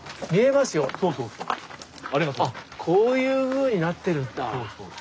こういうふうになってるんだ。